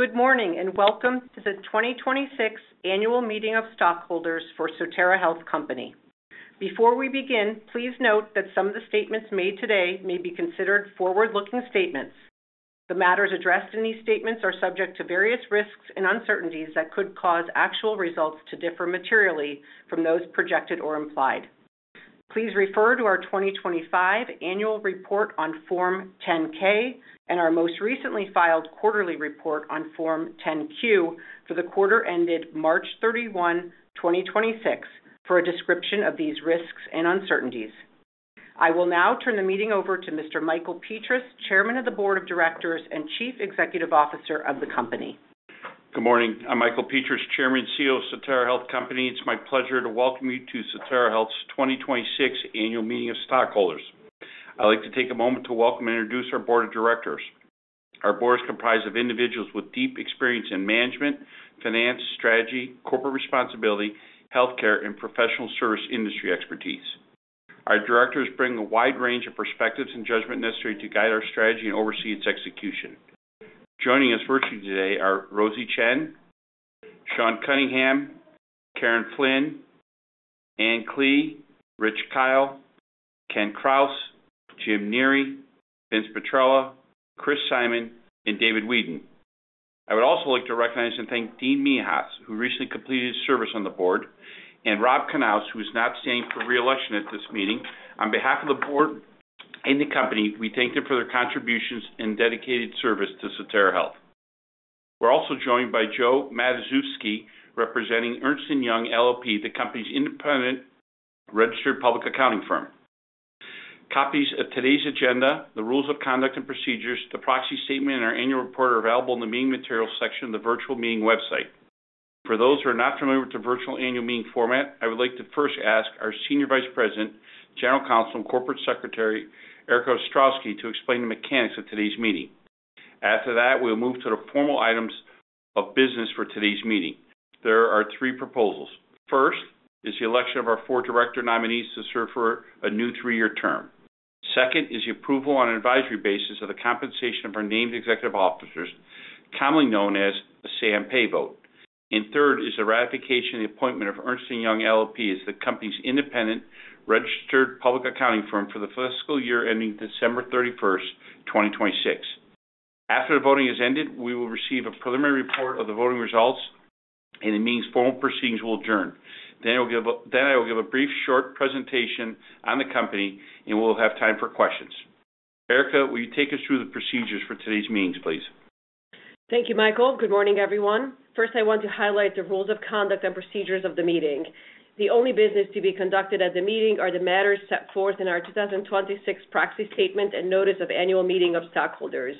Good morning, welcome to the 2026 Annual Meeting of Stockholders for Sotera Health Company. Before we begin, please note that some of the statements made today may be considered forward-looking statements. The matters addressed in these statements are subject to various risks and uncertainties that could cause actual results to differ materially from those projected or implied. Please refer to our 2025 Annual Report on Form 10-K and our most recently filed quarterly report on Form 10-Q for the quarter ended March 31, 2026, for a description of these risks and uncertainties. I will now turn the meeting over to Mr. Michael Petras, Chairman of the Board of Directors and Chief Executive Officer of the company. Good morning. I'm Michael Petras, Chairman and CEO of Sotera Health Company. It's my pleasure to welcome you to Sotera Health's 2026 Annual Meeting of Stockholders. I'd like to take a moment to welcome and introduce our board of directors. Our board is comprised of individuals with deep experience in management, finance, strategy, corporate responsibility, healthcare, and professional service industry expertise. Our directors bring a wide range of perspectives and judgment necessary to guide our strategy and oversee its execution. Joining us virtually today are Ruoxi Chen, Sean Cunningham, Karen Flynn, Ann Klee, Richard Kyle, Kenneth Krause, James Neary, Vincent Petrella, Chris Simon, and David Wheadon. I would also like to recognize and thank Dean Mihas, who recently completed his service on the board, and Robert Knauss, who is not standing for re-election at this meeting. On behalf of the board and the company, we thank them for their contributions and dedicated service to Sotera Health. We're also joined by Joe Matuszewski, representing Ernst & Young LLP, the company's independent registered public accounting firm. Copies of today's agenda, the rules of conduct and procedures, the proxy statement, and our annual report are available in the Meeting Materials section of the virtual meeting website. For those who are not familiar with the virtual annual meeting format, I would like to first ask our Senior Vice President, General Counsel, and Corporate Secretary, Erika Ostrowski, to explain the mechanics of today's meeting. We'll move to the formal items of business for today's meeting. There are three proposals. First is the election of our four director nominees to serve for a new three-year term. Second is the approval on an advisory basis of the compensation of our named executive officers, commonly known as a say on pay vote. Third is the ratification and the appointment of Ernst & Young LLP as the company's independent registered public accounting firm for the fiscal year ending December 31st, 2026. After the voting has ended, we will receive a preliminary report of the voting results, and the meeting's formal proceedings will adjourn. I will give a brief, short presentation on the company, and we'll have time for questions. Erika, will you take us through the procedures for today's meetings, please? Thank you, Michael. Good morning, everyone. First, I want to highlight the rules of conduct and procedures of the meeting. The only business to be conducted at the meeting are the matters set forth in our 2026 proxy statement and notice of annual meeting of stockholders.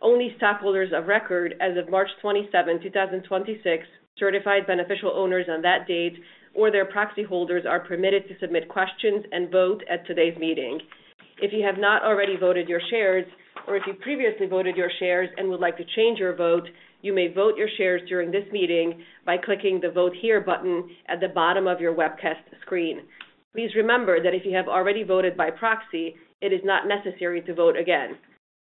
Only stockholders of record as of March 27, 2026, certified beneficial owners on that date, or their proxy holders are permitted to submit questions and vote at today's meeting. If you have not already voted your shares, or if you previously voted your shares and would like to change your vote, you may vote your shares during this meeting by clicking the Vote Here button at the bottom of your webcast screen. Please remember that if you have already voted by proxy, it is not necessary to vote again.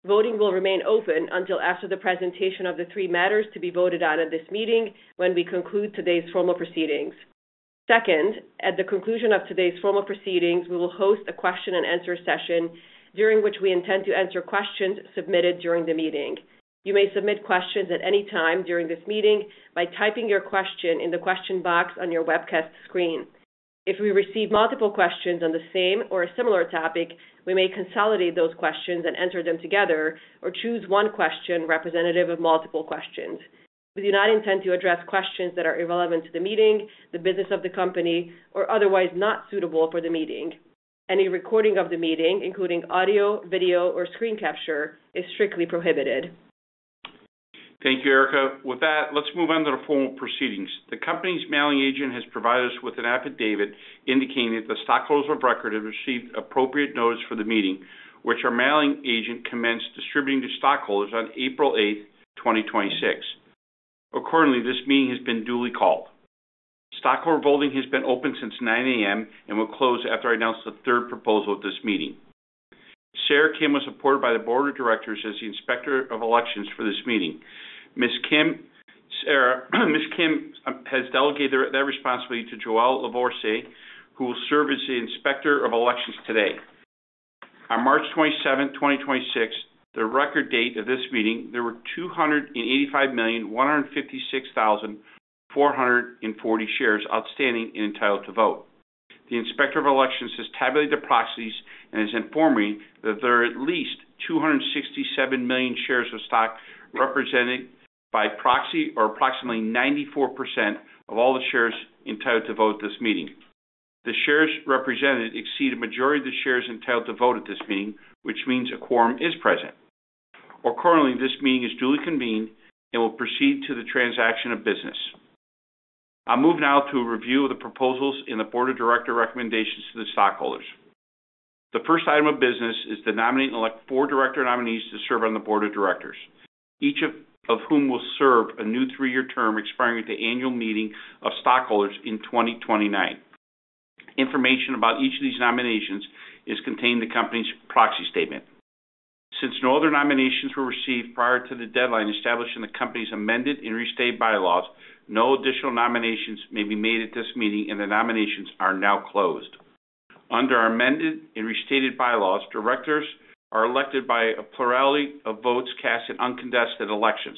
Voting will remain open until after the presentation of the three matters to be voted on at this meeting when we conclude today's formal proceedings. Second, at the conclusion of today's formal proceedings, we will host a question and answer session during which we intend to answer questions submitted during the meeting. You may submit questions at any time during this meeting by typing your question in the question box on your webcast screen. If we receive multiple questions on the same or a similar topic, we may consolidate those questions and answer them together or choose one question representative of multiple questions. We do not intend to address questions that are irrelevant to the meeting, the business of the company, or otherwise not suitable for the meeting. Any recording of the meeting, including audio, video, or screen capture, is strictly prohibited. Thank you, Erika. With that, let's move on to the formal proceedings. The company's mailing agent has provided us with an affidavit indicating that the stockholders of record have received appropriate notice for the meeting, which our mailing agent commenced distributing to stockholders on April 8th, 2026. Accordingly, this meeting has been duly called. Stockholder voting has been open since 9:00 AM and will close after I announce the third proposal of this meeting. Sarah Kim was appointed by the Board of Directors as the Inspector of Elections for this meeting. Ms. Kim has delegated that responsibility to Joelle Livorse, who will serve as the Inspector of Elections today. On March 27th, 2026, the record date of this meeting, there were 285,156,440 shares outstanding and entitled to vote. The Inspector of Elections has tabulated the proxies and has informed me that there are at least 267 million shares of stock represented by proxy, or approximately 94% of all the shares entitled to vote at this meeting. The shares represented exceed a majority of the shares entitled to vote at this meeting, which means a quorum is present. Accordingly, this meeting is duly convened and will proceed to the transaction of business. I'll move now to a review of the proposals and the Board of Director recommendations to the stockholders. The first item of business is to nominate and elect four director nominees to serve on the Board of Directors, each of whom will serve a new three-year term expiring at the annual meeting of stockholders in 2029. Information about each of these nominations is contained in the company's proxy statement. Since no other nominations were received prior to the deadline established in the company's amended and restated bylaws, no additional nominations may be made at this meeting, and the nominations are now closed. Under our amended and restated bylaws, directors are elected by a plurality of votes cast at uncontested elections.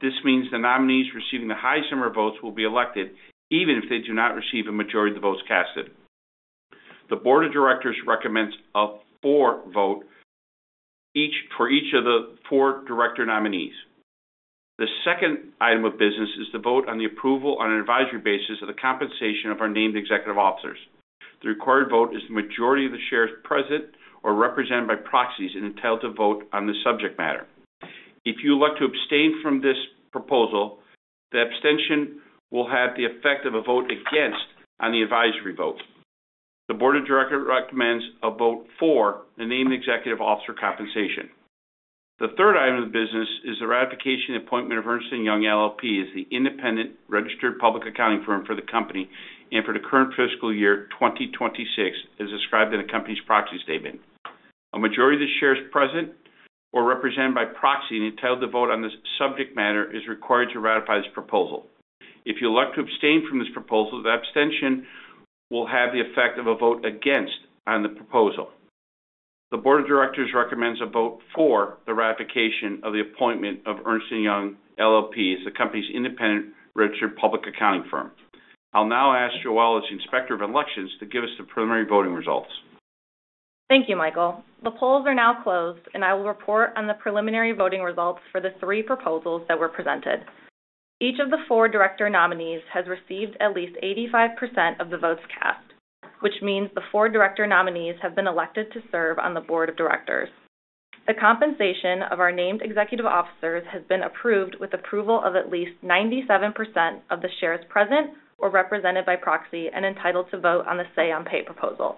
This means the nominees receiving the highest number of votes will be elected even if they do not receive a majority of the votes cast. The board of directors recommends a for vote for each of the four director nominees. The second item of business is to vote on the approval on an advisory basis of the compensation of our named executive officers. The required vote is the majority of the shares present or represented by proxies and entitled to vote on this subject matter. If you look to abstain from this proposal, the abstention will have the effect of a vote against on the advisory vote. The board of directors recommends a vote for the named executive officer compensation. The third item of business is the ratification and appointment of Ernst & Young LLP as the independent registered public accounting firm for the company and for the current fiscal year 2026, as described in the company's proxy statement. A majority of the shares present or represented by proxy and entitled to vote on this subject matter is required to ratify this proposal. If you look to abstain from this proposal, the abstention will have the effect of a vote against on the proposal. The board of directors recommends a vote for the ratification of the appointment of Ernst & Young LLP as the company's independent registered public accounting firm. I'll now ask Joelle, as Inspector of Elections, to give us the preliminary voting results. Thank you, Michael. The polls are now closed, and I will report on the preliminary voting results for the 3 proposals that were presented. Each of the 4 director nominees has received at least 85% of the votes cast, which means the 4 director nominees have been elected to serve on the Board of Directors. The compensation of our named executive officers has been approved with approval of at least 97% of the shares present or represented by proxy and entitled to vote on the Say on Pay proposal.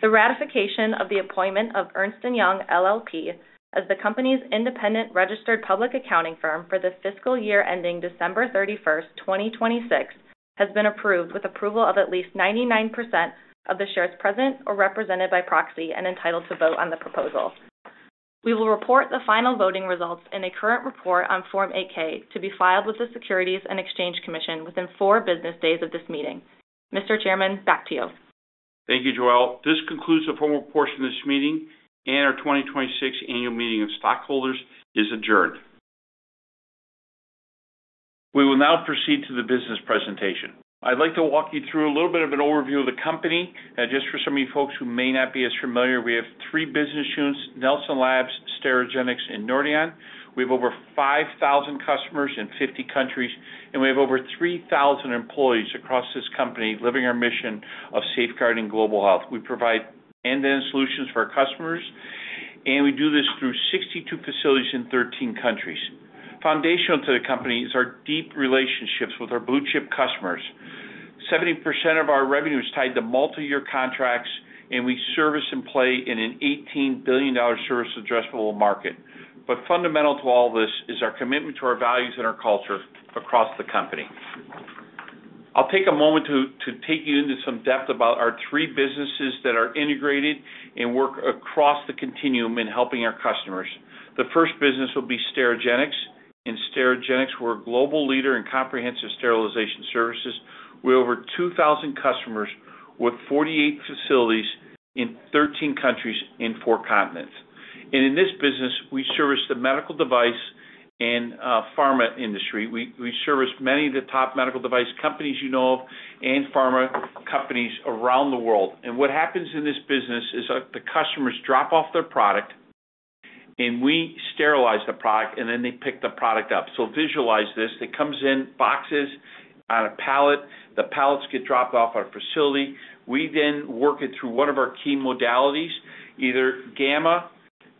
The ratification of the appointment of Ernst & Young LLP as the company's independent registered public accounting firm for the fiscal year ending December 31st, 2026, has been approved with approval of at least 99% of the shares present or represented by proxy and entitled to vote on the proposal. We will report the final voting results in a current report on Form 8-K to be filed with the Securities and Exchange Commission within four business days of this meeting. Mr. Chairman, back to you. Thank you, Joelle. This concludes the formal portion of this meeting, and our 2026 Annual Meeting of Stockholders is adjourned. We will now proceed to the business presentation. I'd like to walk you through a little bit of an overview of the company. Just for some of you folks who may not be as familiar, we have 3 business units, Nelson Labs, Sterigenics, and Nordion. We have over 5,000 customers in 50 countries, and we have over 3,000 employees across this company living our mission of safeguarding global health. We provide end-to-end solutions for our customers, and we do this through 62 facilities in 13 countries. Foundational to the company is our deep relationships with our blue-chip customers. 70% of our revenue is tied to multi-year contracts, and we service and play in an $18 billion service addressable market. Fundamental to all this is our commitment to our values and our culture across the company. I'll take a moment to take you into some depth about our 3 businesses that are integrated and work across the continuum in helping our customers. The first business will be Sterigenics. In Sterigenics, we're a global leader in comprehensive sterilization services. We have over 2,000 customers with 48 facilities in 13 countries in 4 continents. In this business, we service the medical device and pharma industry. We service many of the top medical device companies you know of and pharma companies around the world. What happens in this business is the customers drop off their product, and we sterilize the product, and then they pick the product up. Visualize this. It comes in boxes on a pallet. The pallets get dropped off at our facility. We work it through one of our key modalities, either gamma,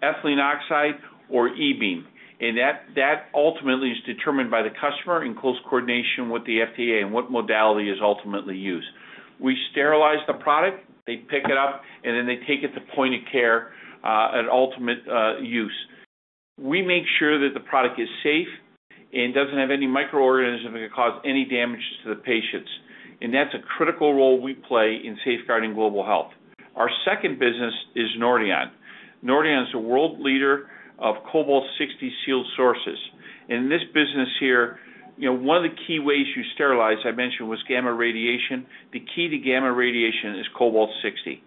ethylene oxide, or E-beam, and that ultimately is determined by the customer in close coordination with the FDA on what modality is ultimately used. We sterilize the product, they pick it up, and then they take it to point of care at ultimate use. We make sure that the product is safe and doesn't have any microorganism that could cause any damage to the patients. That's a critical role we play in safeguarding global health. Our second business is Nordion. Nordion is a world leader of Cobalt-60 sealed sources. In this business here, one of the key ways you sterilize, I mentioned, was gamma radiation. The key to gamma radiation is Cobalt-60.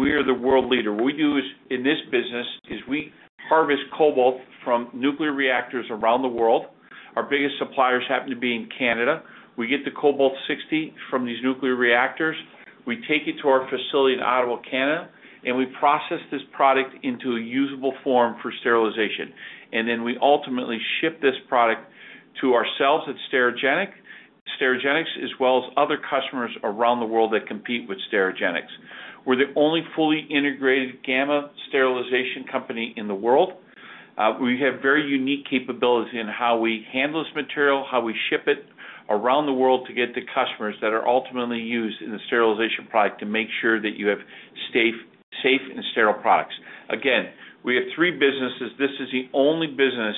We are the world leader. What we do in this business is we harvest cobalt from nuclear reactors around the world. Our biggest suppliers happen to be in Canada. We get the Cobalt-60 from these nuclear reactors. We take it to our facility in Ottawa, Canada, we process this product into a usable form for sterilization. We ultimately ship this product to ourselves at Sterigenics as well as other customers around the world that compete with Sterigenics. We're the only fully integrated gamma sterilization company in the world. We have very unique capability in how we handle this material, how we ship it around the world to get to customers that are ultimately used in the sterilization product to make sure that you have safe and sterile products. Again, we have three businesses. This is the only business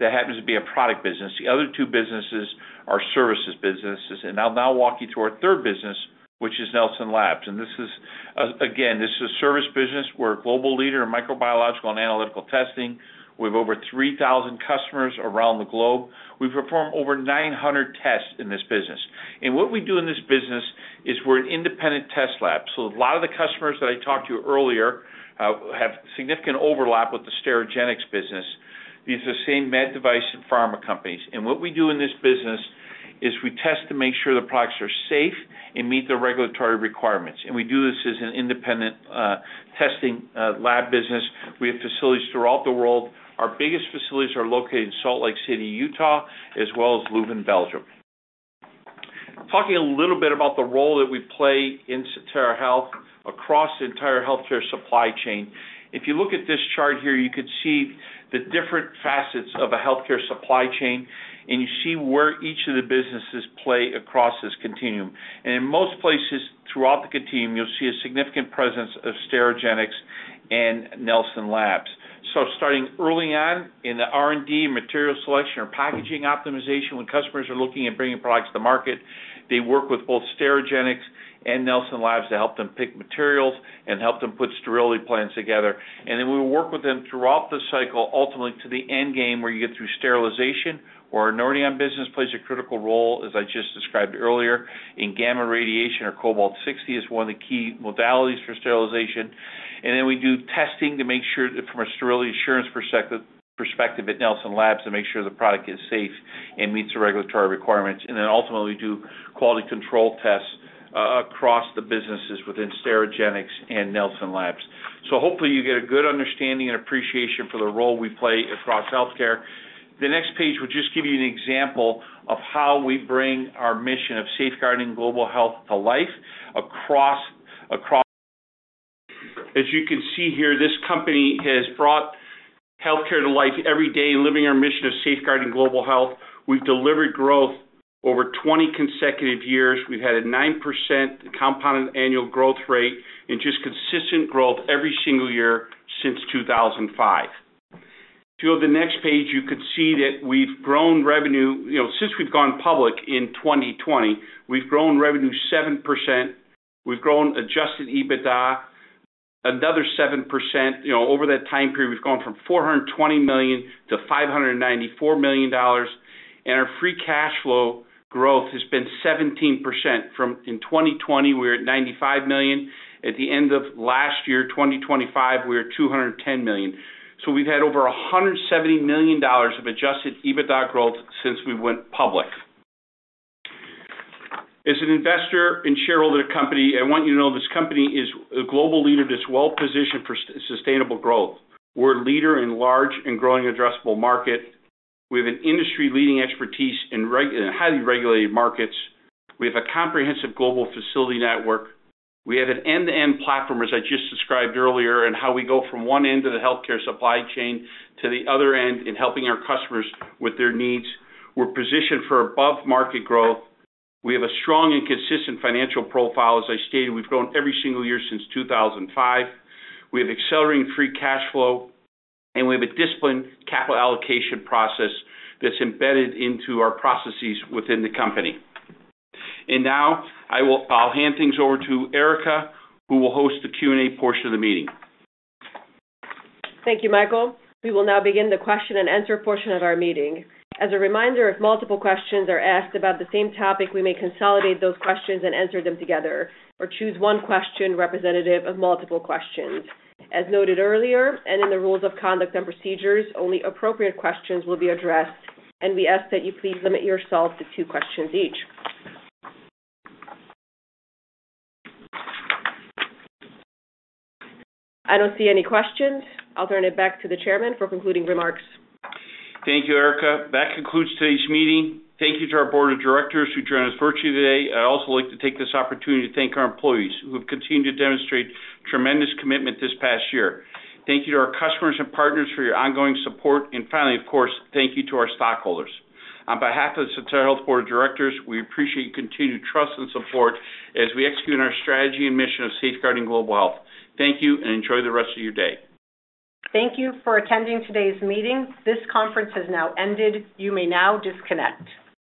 that happens to be a product business. The other two businesses are services businesses, I'll now walk you through our third business, which is Nelson Labs. Again, this is a service business. We're a global leader in microbiological and analytical testing. We have over 3,000 customers around the globe. We perform over 900 tests in this business. What we do in this business is we're an independent test lab, so a lot of the customers that I talked to earlier have significant overlap with the Sterigenics business. These are the same med device and pharma companies. What we do in this business is we test to make sure the products are safe and meet the regulatory requirements. We do this as an independent testing lab business. We have facilities throughout the world. Our biggest facilities are located in Salt Lake City, Utah, as well as Leuven, Belgium. Talking a little bit about the role that we play in Sotera Health across the entire healthcare supply chain. If you look at this chart here, you could see the different facets of a healthcare supply chain, and you see where each of the businesses play across this continuum. In most places throughout the continuum, you'll see a significant presence of Sterigenics and Nelson Labs. Starting early on in the R&D, material selection, or packaging optimization, when customers are looking at bringing products to market, they work with both Sterigenics and Nelson Labs to help them pick materials and help them put sterility plans together. We work with them throughout the cycle, ultimately to the end game where you get through sterilization or our Nordion business plays a critical role, as I just described earlier, in gamma radiation or Cobalt-60 is one of the key modalities for sterilization. We do testing to make sure that from a sterility assurance perspective at Nelson Labs, to make sure the product is safe and meets the regulatory requirements, and then ultimately do quality control tests across the businesses within Sterigenics and Nelson Labs. Hopefully you get a good understanding and appreciation for the role we play across healthcare. The next page will just give you an example of how we bring our mission of safeguarding global health to life across. As you can see here, this company has brought healthcare to life every day, living our mission of safeguarding global health. We've delivered growth over 20 consecutive years. We've had a 9% compound annual growth rate and just consistent growth every single year since 2005. If you go to the next page, you could see that we've grown revenue. Since we've gone public in 2020, we've grown revenue 7%, we've grown adjusted EBITDA another 7%. Over that time period, we've gone from $420 million to $594 million, and our free cash flow growth has been 17%. From in 2020, we were at $95 million. At the end of last year, 2025, we were $210 million. We've had over $170 million of adjusted EBITDA growth since we went public. As an investor and shareholder of the company, I want you to know this company is a global leader that's well-positioned for sustainable growth. We're a leader in large and growing addressable market. We have an industry-leading expertise in highly regulated markets. We have a comprehensive global facility network. We have an end-to-end platform, as I just described earlier, in how we go from 1 end of the healthcare supply chain to the other end in helping our customers with their needs. We're positioned for above-market growth. We have a strong and consistent financial profile. As I stated, we've grown every single year since 2005. We have accelerating free cash flow, we have a disciplined capital allocation process that's embedded into our processes within the company. Now, I'll hand things over to Erika, who will host the Q&A portion of the meeting. Thank you, Michael. We will now begin the question and answer portion of our meeting. As a reminder, if multiple questions are asked about the same topic, we may consolidate those questions and answer them together or choose one question representative of multiple questions. As noted earlier and in the rules of conduct and procedures, only appropriate questions will be addressed, and we ask that you please limit yourself to two questions each. I don't see any questions. I'll turn it back to the chairman for concluding remarks. Thank you, Erika. That concludes today's meeting. Thank you to our board of directors who joined us virtually today. I'd also like to take this opportunity to thank our employees who have continued to demonstrate tremendous commitment this past year. Thank you to our customers and partners for your ongoing support. Finally, of course, thank you to our stockholders. On behalf of the Sotera Health Board of Directors, we appreciate your continued trust and support as we execute on our strategy and mission of safeguarding global health. Thank you, and enjoy the rest of your day. Thank you for attending today's meeting. This conference has now ended. You may now disconnect.